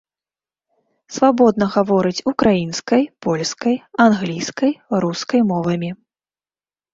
Свабодна гаворыць украінскай, польскай, англійскай, рускай мовамі.